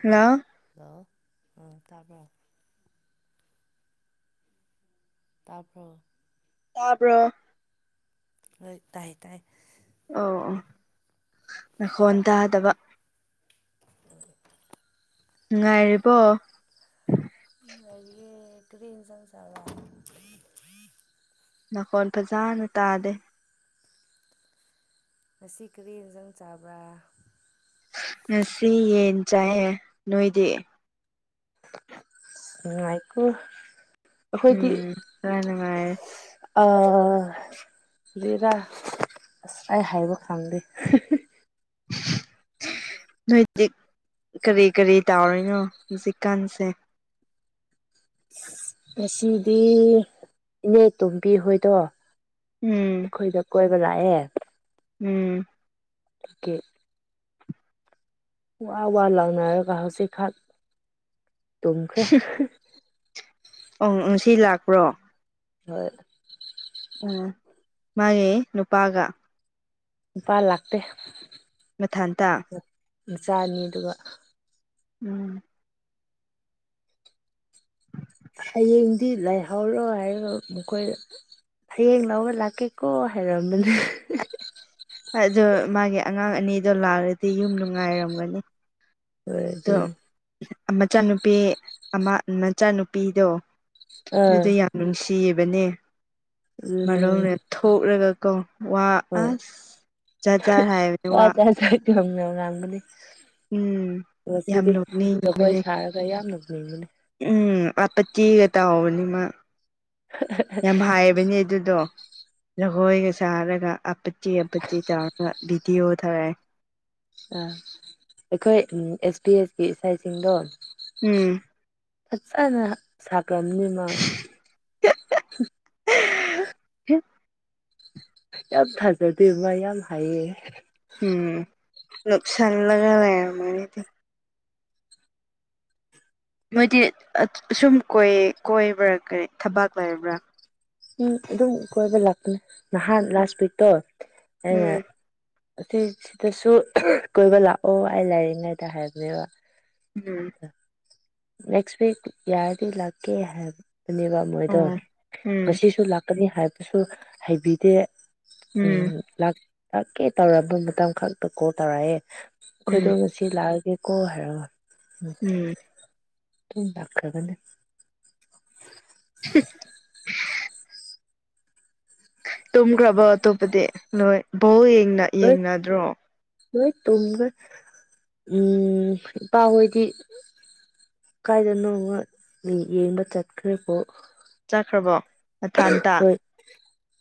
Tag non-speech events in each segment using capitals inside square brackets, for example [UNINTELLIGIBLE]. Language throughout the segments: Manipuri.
ꯍꯂ ꯑꯣ ꯎ ꯇꯥꯕꯣ ꯇꯥꯄ ꯇꯥꯕ꯭ꯔꯣ ꯣꯏ ꯇ ꯇꯥꯏ ꯑꯣ ꯑꯣ ꯅꯈꯣꯟ ꯇꯥꯗꯕ ꯅꯨꯡꯉꯥꯏꯔꯤꯕꯣ ꯀꯔꯤ ꯆꯁꯔ ꯅꯥꯀꯣꯟꯜ ꯐꯖꯅ ꯇꯥꯗꯦ ꯉꯁꯤ ꯀꯔꯤ ꯌꯦꯟꯁꯥꯡ ꯆꯥꯕ꯭ꯔꯥ ꯉꯁꯤ ꯌꯦꯟ ꯆꯥꯏꯑꯦ ꯅꯣꯏꯗꯤ ꯅꯨꯡꯉꯥꯏꯀꯣ ꯎꯝ ꯀꯅ ꯃꯥꯦ ꯑꯥ ꯦꯔꯥ ꯑꯁꯥꯏ ꯍꯥꯏꯕ ꯈꯪꯗꯦ ꯅꯣꯏꯗꯤꯛ ꯀꯔꯤ ꯀꯔꯤ ꯇꯥꯔꯤꯣꯏꯅꯣ ꯍꯧꯖꯤꯛꯀꯥꯟꯁꯦ ꯉꯁꯤꯗꯤ ꯏꯅꯦ ꯇꯣꯝꯕꯤ ꯍꯣꯏꯗꯣ ꯎꯝ ꯑꯩꯈꯣꯏꯗ ꯀꯣꯏꯕ ꯂꯥꯛꯑꯦ ꯎꯝ ꯇꯀꯦ ꯋꯥ ꯋꯥ ꯂꯥꯎꯅꯔꯒ ꯍꯧꯖꯤꯛꯈꯥꯛ ꯇꯨꯝꯈ꯭ꯔꯦ ꯑ ꯉ ꯁꯤ ꯂꯥꯛꯄ꯭ꯔꯣ ꯍꯣꯏ ꯎꯝ ꯃꯥꯒꯤ ꯅꯨꯄꯥꯒ ꯏꯄꯥ ꯂꯥꯛꯇꯦ ꯃꯊꯪ ꯇꯥ ꯃꯆꯥ ꯑꯅꯤ ꯑꯗꯨꯒ ꯎꯝ ꯍꯌꯦꯡꯗꯤ ꯂꯥꯏꯍꯧꯔꯣ ꯍꯥꯏꯔꯒ ꯃꯈꯣꯏ ꯍꯌꯦꯡ ꯂꯔ ꯂꯥꯛꯀꯦꯀꯣ ꯍꯥꯏꯔꯝꯕꯅꯦ ꯑꯗꯣ ꯃꯥꯒꯤ ꯑꯉꯥꯡ ꯑꯅꯤꯗꯣ ꯂꯥꯛꯑꯗꯤ ꯌꯨꯝ ꯅꯨꯡꯉꯥꯏꯔꯝꯒꯅꯤ ꯍꯣꯏ ꯑꯗꯨ ꯑꯗꯣ ꯃꯆꯥꯅꯨꯄꯤ ꯑꯃ ꯃꯆꯥꯅꯨꯄꯤꯗꯣ ꯑꯗꯨꯗ ꯑꯥ ꯌꯥꯝ ꯅꯨꯡꯁꯤꯕꯅꯦ ꯑꯗꯨꯅꯦ ꯃꯔꯣꯅ ꯊꯣꯛꯂꯒ ꯀꯣ ꯋꯥ ꯍꯣꯏ ꯑꯁ ꯖꯥꯠ ꯥꯠ ꯍꯥꯏꯕꯅꯦ ꯋꯥ ꯉꯝꯒ ꯎꯝ ꯌꯥꯝ ꯉꯁꯤꯗꯤ ꯅꯣꯛꯅꯤꯡꯕꯅꯦ ꯖꯒꯣꯏ ꯁꯥꯔꯒ ꯌꯥꯝꯅ ꯍꯡꯕꯅꯤ ꯎꯝ ꯑꯄ ꯊꯤꯒ ꯇ ꯍꯕꯅꯤꯃ ꯌꯥꯝ ꯍꯥꯏꯕꯅꯦ ꯑꯗꯨꯗꯣ ꯖꯒꯣꯏꯒ ꯁꯥꯔꯒ ꯑꯄꯠꯆꯤ ꯑꯄꯠꯆꯤ ꯆꯥꯎꯔꯒ ꯕꯤꯤꯗꯤꯤ ꯑꯣꯊꯔꯦ ꯑꯥ ꯑꯩꯈꯣꯏ ꯑꯦꯁ ꯄꯤ ꯑꯦꯁ ꯄꯤ ꯏꯁꯩꯁꯤꯡꯗꯣ ꯎꯝ ꯐꯖꯅ ꯁꯥꯒꯕꯅꯤꯃ [UNINTELLIGIBLE] ꯎ ꯌꯥꯝ ꯊꯥꯖꯗꯦꯕ ꯌꯥꯝ ꯍꯥꯏꯌꯦ ꯎꯝ ꯂꯨꯁꯥꯟ ꯂꯒꯅꯤꯗꯤ ꯃꯣꯏꯗꯤ ꯁꯨꯝ ꯀꯣꯏ ꯀꯣꯏꯕ꯭ꯔꯥ ꯀꯔꯤ ꯊꯕꯥꯛ ꯂꯩꯔꯕ꯭ꯔꯥ ꯎꯝ ꯑꯗꯨꯝ ꯀꯣꯏꯕ ꯂꯥꯛꯄꯅꯤ ꯅꯍꯥꯟ ꯂꯥꯁ ꯋꯤꯛꯇꯣ ꯑꯩꯅ ꯎꯝ ꯑꯁꯤ ꯁꯤꯗꯁꯨ ꯀꯣꯏꯕ ꯂꯥꯛꯑꯣ ꯑꯩ ꯂꯥꯏꯔꯤꯛꯉꯩꯗ ꯍꯥꯏꯕꯅꯦꯕ ꯎꯝ ꯅꯦꯛꯁ ꯋꯤꯛ ꯌꯥꯔꯗꯤ ꯂꯥꯛꯀꯦ ꯍꯥꯏꯕꯅꯦꯕ ꯃꯣꯏꯗꯣ ꯎꯝ ꯎꯝ ꯉꯁꯨ ꯀꯅꯤ ꯍꯥꯏꯕꯁꯨ ꯍꯩꯕꯤꯗꯦ ꯎꯝ ꯂꯥꯛꯀꯦ ꯇꯧꯔꯔꯕ ꯃꯇꯝ ꯈꯛꯇ ꯀꯣ ꯇꯧꯔꯛꯑꯦ ꯑꯩꯈꯣꯏꯗꯣ ꯎꯝ ꯉꯁꯤ ꯂꯥꯛ ꯀ ꯀꯣ ꯍꯥꯏꯔꯣ ꯎꯝ ꯇ ꯗꯥꯛꯀꯗ [UNINTELLIGIBLE] ꯇꯨꯝꯈ꯭ꯔꯕꯣ ꯑꯇꯣꯞꯄꯗꯤ ꯅꯣꯏ ꯕꯧ ꯌꯦꯡꯅꯗ꯭ꯔꯣ ꯍꯣꯏ ꯇꯨꯡꯒ ꯎꯝ ꯄꯥ ꯑꯣꯏꯣꯏꯗꯤ ꯀ ꯏꯅ ꯌꯦꯗ ꯆꯠꯀ ꯄꯣ ꯆꯠꯈ꯭ꯔꯕꯣ ꯃꯊꯥꯟꯇꯥ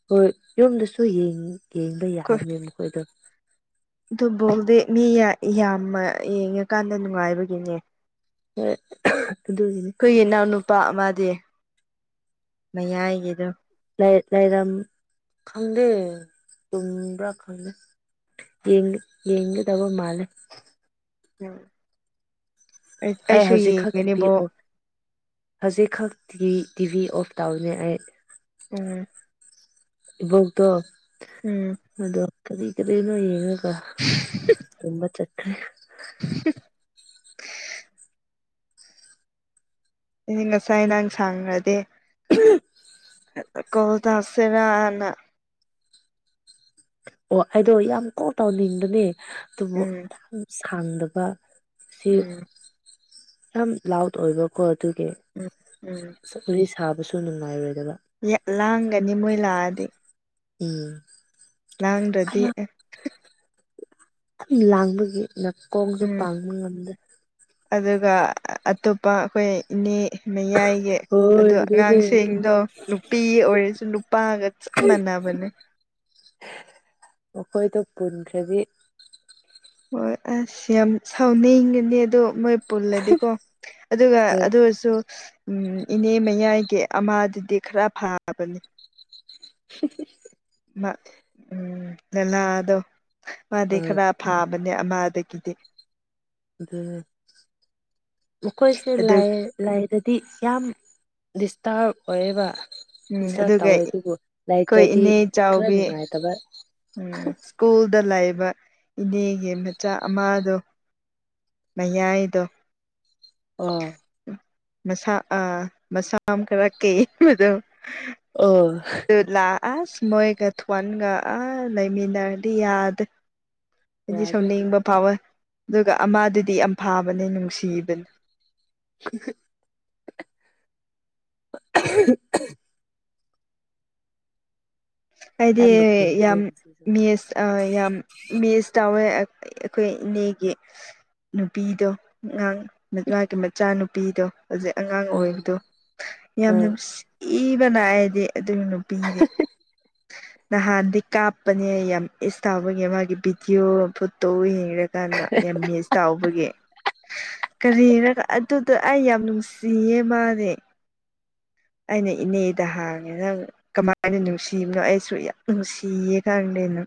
ꯍꯣꯏ ꯌꯨꯝꯗꯁꯨ ꯌꯦꯡꯕ ꯑꯩꯈꯣꯏ ꯌꯥꯃꯦ ꯃꯈꯣꯏꯗꯣ ꯑꯗꯨ ꯕꯣꯛꯗꯤ ꯃꯤ ꯌꯥꯝꯅ ꯌꯦꯡꯉꯀꯥꯟꯗ ꯅꯨꯡꯉꯥꯏꯕꯒꯤꯅꯦ ꯎ ꯑꯩꯈꯣꯏꯒꯤ ꯏꯅꯥꯎꯅꯨꯄꯥ ꯑꯃꯗꯤ ꯃꯌꯥꯏꯒꯤꯗꯣ ꯂꯩꯔꯝ ꯈꯪꯗꯦ ꯇꯨꯝꯕ꯭ꯔꯥ ꯈꯪꯗꯦ ꯌꯦꯡ ꯌꯦꯡꯒꯗꯕ ꯃꯥꯂꯦ ꯑꯩ ꯑꯩꯁꯨ ꯍꯧꯖꯤꯛ ꯈꯛ ꯌꯦꯡꯉꯦꯅꯦꯕꯣ ꯑꯩꯈꯛꯇꯤ ꯇꯤꯚꯤ ꯑꯣꯐ ꯇꯧꯅꯦ ꯑꯩ ꯎꯝ ꯏꯕꯧꯗꯣ ꯎꯝ ꯑꯗꯣ ꯀꯔꯤ ꯀꯔꯤꯅꯣ ꯌꯦꯡꯉ ꯇꯨꯝ ꯆꯈ [INAUDIBLE] ꯑꯩ ꯉꯁꯥꯏ ꯅꯍꯪ ꯁꯥꯡꯈ꯭ꯔꯗꯤꯦ [INAUDIBLE] ꯀꯣꯗ ꯑꯁꯦꯅꯅ ꯑꯣ ꯑꯩꯗꯣ ꯌꯥꯝ ꯀꯥꯎ ꯇꯥꯎꯅꯤꯡꯕꯅꯦ ꯑꯗꯨꯕꯨ ꯎꯝ ꯌꯥꯝ ꯁꯥꯡꯗꯕ ꯁꯤ ꯎꯝ ꯌꯥꯝ ꯂꯥꯎꯠ ꯑꯣꯏꯕꯀꯣ ꯑꯗꯨꯒꯤ ꯎꯝ ꯎꯝ ꯆ ꯋꯥꯔꯤ ꯁꯥꯕꯁꯨ ꯅꯨꯡꯉꯥꯏꯔꯦ ꯂꯥꯡꯒꯅꯤ ꯃꯣꯏ ꯂꯥꯛꯑꯗꯤ ꯎꯝ ꯑꯩ ꯂꯥꯡ꯭ꯔꯗꯤ ꯌꯥꯝ ꯂꯥꯡꯕꯒꯤ ꯅꯥꯀꯣꯡꯁꯨ ꯎꯝ ꯄꯥꯡꯕ ꯉꯝꯗ ꯑꯗꯨꯒ ꯑꯇꯣꯞꯄ ꯑꯩꯈꯣꯏꯅꯤ ꯃꯌꯥꯏꯒꯤ ꯍꯣꯏ ꯑꯗꯣ ꯑꯗꯨꯅꯦ ꯑꯉꯥꯡꯁꯤꯡꯗꯣ ꯅꯨꯄꯤ ꯑꯣꯏꯔꯁꯨ ꯅꯨꯄꯥꯒ ꯆꯞ ꯃꯥꯟꯅꯕ ꯃꯦ ꯑꯩꯈꯣꯏꯗ ꯄꯨꯟꯈꯗꯤ ꯍꯣꯏ ꯑꯁ ꯌꯥꯝ ꯁꯥꯎꯅꯩꯒꯅꯤ ꯑꯗꯣ ꯃꯣꯏ ꯄꯨꯜꯂꯗꯤꯀꯣ ꯑꯗꯨꯒ ꯍꯣꯏ ꯑꯗꯨ ꯑꯣꯏꯔꯁꯨ ꯎꯝ ꯏꯅꯦ ꯃꯌꯥꯏꯒꯤ ꯑꯃꯥꯗꯨꯗꯤ ꯈꯔ ꯐꯥꯕꯅꯤ [INAUDIBLE] ꯎꯝ ꯅꯦꯂꯥꯗꯣ ꯑ ꯃꯥꯗꯤ ꯈꯔ ꯐꯥꯕ ꯃꯅꯦ ꯑꯃꯗ ꯀꯗꯤ ꯑꯗꯨ ꯃꯈꯣꯏꯁꯦ ꯑꯗꯨ ꯂꯥꯏ ꯂꯥꯏꯗꯗꯤ ꯌꯥꯝ ꯗꯤꯁꯇꯔꯕ ꯑꯣꯏꯔꯤꯕ ꯎꯝ ꯇꯔ ꯑꯗꯨꯒ ꯇꯧꯋꯦ ꯑꯗꯨꯕꯨ ꯑꯩꯈꯣꯏ ꯂꯩꯇ꯭ꯔꯗꯤ ꯏꯅꯦ ꯈꯔ ꯆꯥꯎꯕꯤ ꯅꯨꯡꯉꯥꯏꯇꯕ ꯎꯝ ꯁ꯭ꯀꯨꯜꯗ ꯂꯩꯥꯛꯕ ꯏꯅꯦꯒꯤ ꯃꯆꯥ ꯑꯃꯗꯣ ꯅꯌꯥꯏꯗ ꯑꯣ ꯃꯁꯥ ꯑꯥ ꯃꯁꯥ ꯑꯃ ꯈꯔ ꯀꯩꯕꯗꯣ ꯑꯣ ꯑꯗꯨ ꯂꯥꯛ ꯑꯁ ꯃꯣꯏꯒꯊꯋꯥꯟꯒ ꯑ ꯂꯩꯃꯤꯟꯅꯔꯗꯤꯌꯥꯗ ꯌꯥꯗꯦ ꯁꯅꯕ ꯄꯋꯥ ꯑꯗꯨꯒ ꯑꯃꯗꯨꯗꯤ ꯌꯥꯝ ꯐꯥꯕꯅꯦ ꯅꯨꯡꯁꯤꯕꯅꯤ [INAUDIBLE] ꯍꯥꯏꯗꯤ ꯌꯥꯝ ꯅꯣꯛꯅꯤꯡꯕꯅꯦ ꯉꯁꯤꯁꯨ ꯌꯥꯝꯁ ꯌꯥꯝ ꯃꯤꯦꯁ ꯇꯧꯋꯦ ꯑꯩꯈꯣꯏ ꯏꯅꯦꯒꯤ ꯅꯨꯄꯤꯗꯣ ꯑꯉꯥꯡ ꯅꯒꯤ ꯃꯆꯥ ꯅꯨꯨꯄꯤꯗꯣ ꯍꯧꯖꯤꯛ ꯑꯉꯥꯡ ꯎꯝ ꯑꯣꯏꯔꯤꯔꯤꯕꯗꯣ ꯌꯥꯝ ꯍꯣꯏ ꯅꯨꯡꯁꯤꯕꯅꯑꯗꯤ ꯑꯗꯨ ꯑꯗꯨ ꯅꯨꯄꯤꯤꯗꯤ ꯅꯍꯥꯟꯗꯤ ꯀꯥꯞꯄꯅꯦ ꯌꯥꯝ ꯏꯁ ꯇꯥꯎꯕꯒꯤ ꯃꯥꯒꯤ ꯚꯤꯗꯤꯌꯑꯣ ꯐꯣꯇꯣꯉ ꯍꯥꯏꯔꯀꯥꯟꯗ ꯌꯥꯝ ꯃꯤꯁ ꯇꯥꯎꯕꯒꯤ ꯀꯔꯤꯔ ꯑꯗꯨꯗꯣ ꯑꯩ ꯌꯥꯝ ꯅꯨꯡꯁꯤꯌꯦ ꯃꯥꯅꯦ ꯑꯩꯅ ꯏꯅꯦꯗ ꯍꯥꯡꯉꯦ ꯅꯪ ꯀꯃꯥꯏꯅ ꯅꯨꯡꯁꯤ ꯁꯤꯕꯅꯣ ꯑꯩꯁꯨ ꯌꯥꯝ ꯅꯨꯡꯁꯤꯌꯦ ꯈꯪꯗꯩꯅ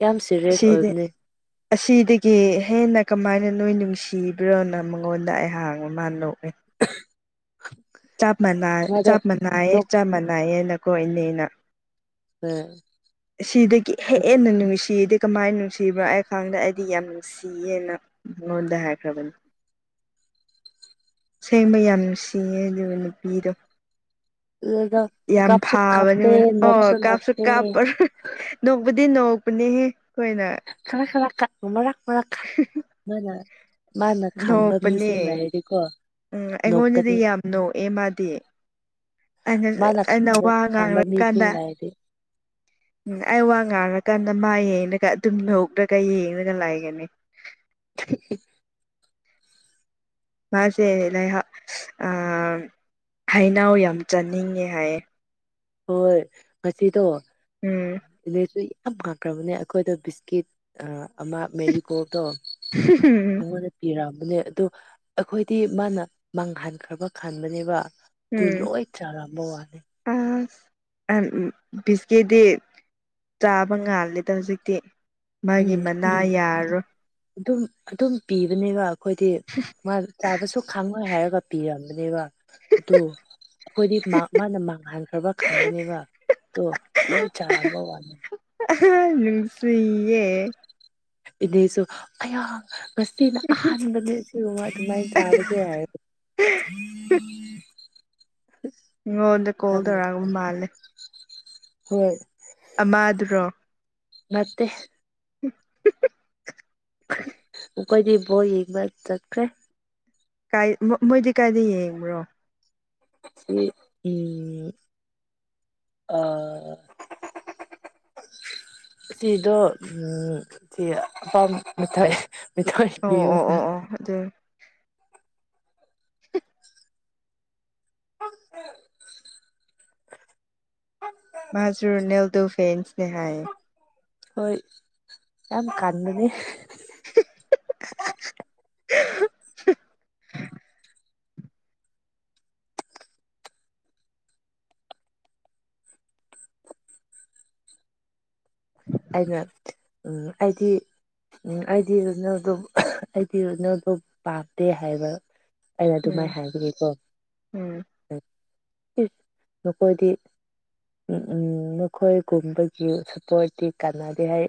ꯌꯥꯝ ꯁꯤꯦꯔꯤꯌꯁ ꯁꯤꯗꯤ ꯑꯣꯏꯕꯅꯦ ꯑꯁꯤꯗꯒꯤ ꯍꯦꯟꯅ ꯀꯃꯥꯏꯅ ꯅꯣꯏ ꯅꯨꯡꯁꯤꯕ꯭ꯔꯣꯅ ꯃꯉꯣꯟꯗ ꯑꯩꯍꯥꯡꯕ ꯃꯥꯅ ꯂꯣꯛꯑꯦ [UNINTELLIGIBLE] ꯞ ꯃꯥꯗꯣ ꯆꯞ ꯃꯥꯟꯅꯥꯏꯌꯦ ꯅꯣꯛ ꯆꯞ ꯃꯥꯟꯅꯏꯌꯦꯅ ꯀꯣ ꯏꯅꯦꯅ ꯍ ꯁꯤꯗꯒꯤ ꯍꯦꯟꯅ ꯅꯨꯡꯁꯤꯗꯤ ꯀꯃꯥꯏꯅ ꯅꯨꯡꯁꯤꯕ꯭ꯔꯥ ꯑꯩ ꯈꯪꯗ ꯑꯩꯗꯤ ꯌꯥꯝ ꯅꯨꯡꯁꯤꯌꯦꯅ ꯍꯗ ꯍꯥꯏꯈ꯭ꯔꯕꯅꯤ [INAUDIBLE] ꯁꯦꯡꯕ ꯌꯥꯝ ꯅꯨꯡꯁꯤꯌꯦ ꯑꯗꯨꯒ ꯅꯨꯄꯤꯗꯣ ꯑꯗꯨꯗ ꯌꯥꯝ ꯀꯥꯞꯁꯨ ꯐꯥꯕꯅꯦ ꯀꯥꯞꯇꯦ ꯑꯣ ꯅꯣꯛꯁꯨ ꯀꯥꯞꯁꯨ ꯅꯣꯛꯇꯦ ꯀꯥꯞꯄ꯭ꯔ ꯅ ꯗꯤ ꯅꯧꯄꯅꯦ ꯍꯦ ꯊꯂ ꯈꯂ ꯊꯥꯛ ꯃꯔ ꯊ ꯅ ꯃꯥꯅ ꯈꯪꯕ ꯅꯣꯛꯄꯅꯦ ꯃꯤꯁꯤꯡ ꯂꯩꯔꯗꯤꯀꯣ ꯎꯝ ꯑꯩꯉꯣꯟꯗꯗꯤ ꯅꯣꯛꯀꯅꯤ ꯌꯥꯝ ꯅꯣꯛꯑꯦ ꯃꯥꯗꯤ ꯑꯩꯅ ꯃꯥꯅ ꯑꯩꯅ ꯈꯪꯕ ꯋꯥ ꯈꯪꯕ ꯉꯥꯡꯂ ꯃꯤꯁꯤꯡ ꯀꯥꯟꯗ ꯂꯩꯔꯗꯤ ꯎꯝ ꯑꯩ ꯋꯥ ꯉꯥꯡꯔꯀꯥꯟꯗ ꯃꯥ ꯌꯦꯡꯉꯒ ꯑꯗꯨꯝ ꯂꯧꯔ꯭ꯔꯒ ꯌꯦꯡꯉꯒ ꯂꯥꯛꯒꯅꯤ [UNINTELLIGIBLE] ꯃꯥꯁꯦ ꯂꯩꯍ ꯑ ꯍꯅꯥꯎ ꯌꯥꯝ ꯆꯥꯅꯤꯡꯉꯦ ꯍꯥꯏꯌꯦ ꯍꯣꯏ ꯉꯁꯤꯗ ꯎꯝ ꯌꯥꯝ ꯍꯥꯡꯈ꯭ꯔꯕꯅꯦ ꯑꯩꯈꯣꯏꯗ ꯕꯤꯁꯀꯤꯠ ꯑꯃ ꯃꯦꯔꯤ ꯀꯣꯇꯣ ꯃꯉꯣꯟꯗ ꯄꯤꯔ ꯅꯦ ꯑꯗꯣ ꯑꯩꯈꯣꯏꯗꯤ ꯃꯥꯅ ꯃꯥꯡꯍꯟꯈ꯭ꯔꯕ ꯈꯥꯟꯕꯅꯦꯕ ꯇ ꯎꯝ ꯂꯣꯏ ꯆꯔꯕ ꯋꯥꯅꯤ ꯕꯤꯁꯀꯤꯦꯗꯤꯤ ꯆꯥꯕ ꯉꯥꯜꯂꯦꯗ ꯍꯧꯖꯤꯛꯇꯤ ꯃꯥꯒꯤ ꯎꯝ ꯃꯅꯥ ꯌꯥꯝ ꯌꯥꯔꯣꯏ ꯑꯗꯨꯝ ꯑꯗꯨꯝ ꯄꯤꯕꯅꯦꯕ ꯑꯩꯈꯣꯏꯗꯤ ꯃꯥ ꯆꯥꯕꯁꯨ ꯈꯥꯡꯉꯣꯏ ꯍꯥꯏꯔꯒ ꯄꯤꯔꯝꯃꯦ ꯑꯗꯨ ꯑꯩꯈꯣꯏꯗꯤ ꯃꯥꯅ ꯃꯥꯡꯍꯟꯈ꯭ꯔꯕ ꯈꯟꯒꯅꯦꯕ ꯂꯣꯏ ꯆꯔꯥꯕꯣ ꯋꯥꯅꯤꯦ ꯁꯤꯌꯦꯦ ꯏꯕꯦꯁꯨ ꯑꯌꯥ ꯉꯁꯤꯅ ꯑꯍꯥꯟꯕꯅꯦ ꯁꯤꯒꯨꯝꯕ ꯑꯗꯨꯃꯥꯏꯅ ꯆꯥꯕꯁ ꯍꯥꯏꯔ ꯑꯝ ꯃꯤꯉꯣꯟꯗ ꯀꯣꯜ ꯇꯧꯔꯛꯑꯕ ꯃꯥꯜꯂꯦ ꯍꯣꯏ ꯑꯃꯗꯨꯔꯣ ꯅꯇꯦ ꯎꯝ ꯃꯈꯣꯏꯗꯤ ꯕꯣꯔ ꯌꯦꯡꯕ ꯆꯠꯈ꯭ꯔꯦ ꯃꯣꯏꯗꯤ ꯀꯥꯏꯗ ꯌꯦꯡꯕ꯭ꯔꯣ ꯁꯤ ꯑꯥ ꯁꯤꯗꯣ ꯎꯝ ꯁꯤ ꯑꯄꯥꯝ ꯃꯊ ꯑꯣ ꯑꯣ ꯀꯁ ꯑꯣ ꯑꯣ ꯑꯗꯨ ꯎ ꯎ [UNINTELLIGIBLE] ꯃꯥꯖꯨꯔ ꯅꯦꯜꯗꯣ ꯐꯦꯟꯁꯅꯦ ꯍꯥꯏꯑꯦ ꯍꯣꯏ ꯌꯥꯝ ꯀꯥꯟꯒꯅꯤ ꯑꯩꯅ ꯎ ꯑꯩꯗꯤ ꯎꯝ ꯑꯩꯗꯤꯅ ꯑꯗꯨꯝ ꯑꯩꯗꯤ ꯑꯣꯏꯅꯅ ꯑꯗꯨꯝ ꯄꯥꯝꯗꯦ ꯍꯥꯏꯕ ꯑꯩꯅ ꯎꯝ ꯑꯗꯨꯃꯥꯏꯅ ꯍꯥꯏꯕꯤꯒꯦꯀꯣ ꯎꯝ ꯅꯈꯣꯏꯗꯤ ꯎꯝ ꯎꯝ ꯅꯈꯣꯏꯒꯨꯝꯕꯒꯤ ꯁꯞꯄꯣꯔꯠꯇꯤ ꯀꯥꯟꯅꯗꯦ ꯍꯥꯏ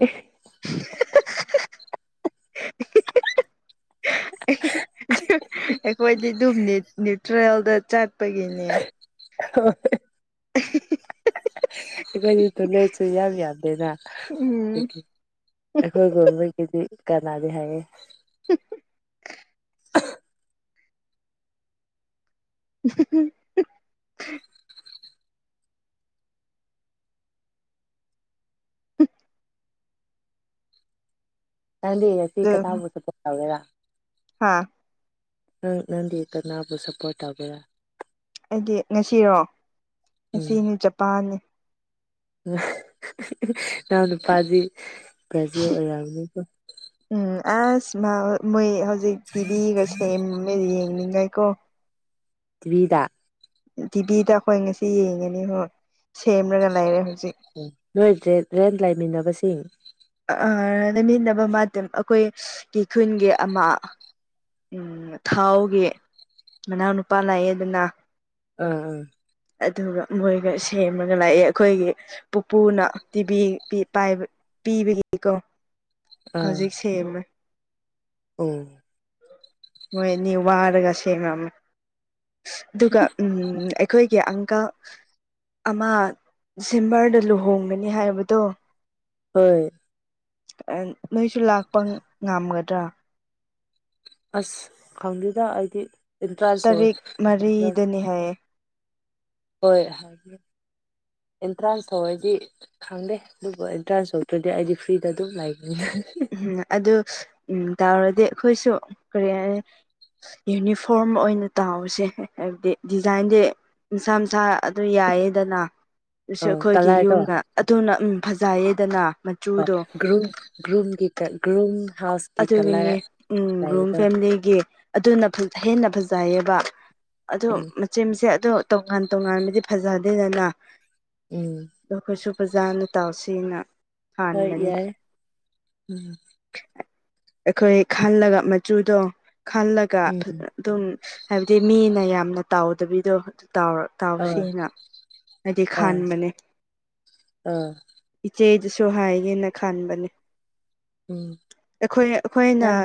[INAUDIBLE] ꯑꯩꯈꯣꯏꯗꯤ ꯑꯗꯨꯝ ꯅ꯭ꯌꯇ꯭ꯔꯦꯜꯗ ꯆꯠ ꯄꯒꯤꯅꯦ ꯍ [INAUDIBLE] ꯀꯅꯤ ꯇ ꯂꯩꯁꯨꯨꯏ ꯌꯥꯕꯤ ꯌꯥꯗꯅ ꯎꯝ ꯑꯩꯈꯣꯏꯒꯃꯦ ꯀꯗꯤ ꯀꯗ ꯍꯥꯏꯒ [INAUDIBLE] ꯅꯪꯗꯤ ꯉꯁꯤ ꯀꯊꯕꯨ ꯁꯄꯣꯔꯠ ꯇꯧꯒꯦꯔꯥ ꯍꯥꯥ ꯅꯪ ꯅꯪꯗꯤꯇꯅꯥꯕꯨ ꯁꯄꯣꯔꯠ ꯇꯒꯦꯔꯥ ꯑꯩꯗꯤ ꯉꯁꯤꯔꯣ ꯉꯁꯤꯅꯤ ꯖꯄꯥꯟꯅꯤ ꯅꯎ ꯅꯄꯖꯤ ꯄꯖ ꯑꯩ ꯌꯥꯅꯤꯀꯣ ꯎꯝ ꯑꯁ ꯃꯣꯏ ꯍꯧꯖꯤꯛ ꯇꯤꯚꯤꯒ ꯁꯦꯝꯃꯦ ꯌꯦꯡꯅꯤꯡꯉꯥꯏꯀꯣ ꯇꯋꯗ ꯇꯤꯚꯤꯗ ꯑꯩꯈꯣꯏ ꯉꯁꯤ ꯌꯦꯡꯉꯅꯤ ꯍꯣꯏ ꯁꯦꯝꯔꯒ ꯂꯩꯔꯦ ꯍꯧꯣꯏ ꯎ ꯅꯣꯏꯦ ꯔꯦꯟ ꯂꯩꯃꯤꯟꯅꯕꯁꯤꯡ ꯂꯩꯃꯤꯟꯅꯕ ꯃꯇꯝ ꯑꯩꯈꯣꯏꯒꯤ ꯈꯨꯟꯒꯤ ꯑꯃ ꯎꯝ ꯊꯥꯎꯒꯤ ꯃꯅꯥꯎ ꯅꯨꯨꯄꯥ ꯂꯥꯛꯑꯦꯗꯅ ꯎꯝ ꯎꯝ ꯑꯗꯨꯒ ꯃꯣꯏꯒ ꯁꯦꯝꯃꯒ ꯂꯥꯛꯑꯦ ꯑꯩꯈꯣꯏꯒꯤ ꯄꯨꯄꯨꯅ ꯇꯤꯚꯤ ꯄꯥꯏꯕ ꯄꯤꯕꯒꯤꯀꯣ ꯍꯧꯖꯤꯛ ꯁꯦꯝꯃꯦ ꯎꯝ ꯃꯣꯏ ꯑꯅꯤ ꯋꯥꯔꯒ ꯁꯦꯝꯃ ꯑꯗꯨꯒ ꯎꯝ ꯑꯩꯈꯣꯏꯒꯤ ꯑꯪꯀ ꯑꯃ ꯁꯤꯕꯔꯗ ꯂꯨꯍꯣꯡꯒꯅꯤ ꯍꯥꯏꯕꯗꯣ ꯍꯣꯏ꯫ ꯅꯣꯏꯁꯨ ꯂꯥꯛꯄ ꯉꯝꯒꯗ꯭ꯔꯥ ꯑꯁ ꯈꯪꯗꯦꯗ ꯑꯩꯗꯤ ꯏꯟꯇ꯭ꯔꯥꯟꯁ ꯇꯔꯦꯠ ꯑꯣꯏꯟꯇꯔ ꯃꯔꯤꯗꯅꯤ ꯍꯥꯏꯌꯦ ꯍꯣꯏ ꯑ ꯍꯥꯏꯥ ꯑꯦꯟꯇ꯭ꯔꯥꯟꯁ ꯊꯣꯛꯧ ꯑꯩꯗꯤ ꯈꯪꯗꯦ ꯑꯗꯨꯕꯨ ꯑꯦꯟꯇ꯭ꯔꯥꯟꯁ ꯊꯣꯛꯧꯗ꯭ꯔꯗꯤ ꯑꯩꯗꯤ ꯐ꯭ꯔꯤꯗ ꯑꯗꯨꯝ ꯂꯩꯒꯦ ꯎ [UNINTELLIGIBLE] ꯎꯝ ꯑꯗꯨ ꯎꯝ ꯇꯥꯔꯗꯤ ꯑꯩꯈꯣꯏꯁꯨ ꯀꯔꯤ ꯍꯥꯏ ꯌꯨꯅꯤꯐꯣꯔꯝ ꯑꯣꯏꯅ ꯇꯥꯎꯁꯦ ꯍꯥꯏꯕꯗꯤ ꯗꯤꯖꯥꯏꯟꯗꯤ ꯃꯁꯥ ꯃꯅꯨꯡꯁꯥ ꯑꯗꯨ ꯌꯥꯏꯌꯦꯗꯅ ꯑꯗꯨꯁꯨ ꯑꯣ ꯑꯩꯈꯣꯏꯒꯤ ꯀꯂꯔꯗꯣ ꯌꯨꯝꯗ ꯑꯗꯨꯅꯝ ꯐꯖꯩꯌꯦꯗꯅ ꯃꯆꯨꯗꯣ ꯀꯒꯨꯝ ꯑꯗꯨꯒꯤꯅꯤ ꯎꯝ ꯒ꯭ꯔꯨꯝ ꯐꯦꯃꯤꯂꯤꯒꯤ ꯑꯗꯨꯅ ꯍꯦꯟꯅ ꯐꯖꯩꯌꯦꯕ ꯑꯗꯨ ꯎꯝ ꯃꯆꯦ ꯃꯁꯦ ꯑꯗꯣ ꯇꯣꯉꯥꯟ ꯇꯣꯉꯥꯟꯕꯗꯤ ꯐꯖꯗꯦꯗꯅ ꯎꯝ ꯑꯗ ꯑꯩꯈꯣꯏꯁꯨ ꯄꯨ꯭ꯔꯖꯥꯅ ꯇꯥꯎꯁꯤꯅ ꯑꯣꯏꯣꯏ ꯌꯥꯥꯏꯝ ꯑꯩꯈꯣꯏ ꯈꯜꯂꯒ ꯃꯆꯨꯗꯣ ꯈꯜꯂꯒ ꯎꯝ ꯑꯗꯨꯝ ꯍꯥꯏꯕꯗꯤ ꯃꯤꯅ ꯌꯥꯝꯅ ꯇꯥꯎꯗꯕꯤꯗꯣ ꯑ ꯇꯥꯎꯁꯤꯅ ꯍꯥꯏꯗꯤ ꯑ ꯈꯥꯟꯕꯅꯦ ꯑ ꯆꯦꯖꯁꯨ ꯍꯥꯏꯒꯦꯅ ꯈꯟꯕꯅꯦ ꯎꯝ ꯑꯩꯈꯣꯏ ꯑꯩꯈꯣꯏꯅ ꯌꯥꯝ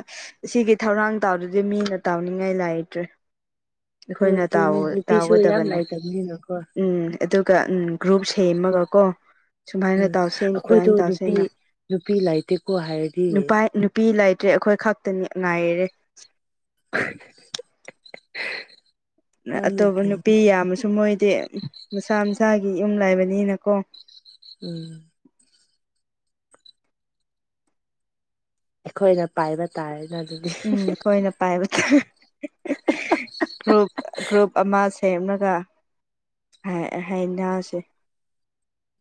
ꯁꯤꯒꯤ ꯊꯧꯔꯥꯡ ꯇꯧꯗꯨꯗꯤ ꯃꯤꯅ ꯇꯥꯎꯅꯤꯡꯉꯥꯏ ꯂꯩꯇ꯭ꯔꯦ ꯍꯣꯏ ꯑꯩꯈꯣꯏꯅ ꯑꯗꯨꯅꯦ ꯅꯨꯄꯤꯁꯨ ꯌꯥꯝ ꯇꯥꯎꯒꯗꯕꯅꯦ ꯂꯩꯇꯕꯅꯤꯅꯀꯣ ꯎꯝ ꯑꯗꯨꯒ ꯒ꯭ꯔꯨꯞ ꯁꯦꯝꯃꯒ ꯀꯣ ꯁꯨꯃꯥꯏꯅ ꯎꯝ ꯇꯧꯁꯦ ꯑꯩꯈꯣꯏꯗꯣ ꯑꯗꯨꯃꯥꯏꯅ ꯅꯨꯄꯤ ꯇꯧꯁꯦꯅ ꯅꯨꯄꯤ ꯂꯩꯇꯦꯀꯣ ꯍꯥꯏꯔꯗꯤ ꯅꯨꯄꯥ ꯐꯤ ꯂꯩꯇ꯭ꯔꯦ ꯑꯩꯈꯣꯏ ꯈꯛꯇꯅꯤ ꯉꯥꯏꯔꯦ [UNINTELLIGIBLE] ꯌꯥꯝ ꯑꯇꯣꯞꯄ ꯅꯨꯡꯁꯤ ꯅꯨꯄꯤ ꯌꯥꯝ ꯑꯃꯁꯁꯨ ꯁ ꯃꯣꯏꯗꯤ ꯃꯁꯥ ꯃꯁꯥꯒꯤ ꯌꯨꯝ ꯂꯥꯏꯕꯅꯤꯅꯀꯣ ꯎꯝ ꯑꯩꯈꯣꯏꯅ ꯄꯥꯏꯕ ꯇꯥꯔꯦꯅ ꯑꯗꯨꯗꯤ ꯎꯝ ꯑꯩꯈꯣꯏꯅ ꯄꯥꯏꯕꯗ ꯒ꯭ꯔꯨꯞ ꯒ꯭ꯔꯨꯞ ꯑꯃ ꯁꯦꯝꯃꯒ ꯍꯥꯏꯩꯅꯁꯤ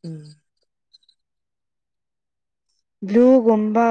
ꯎꯝ ꯕ꯭ꯂꯨꯒꯨꯝꯕ